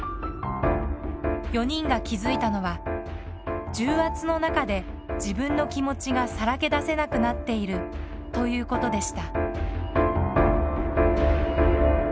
４人が気付いたのは重圧の中で自分の気持ちがさらけ出せなくなっているということでした。